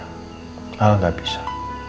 kalau gak bisa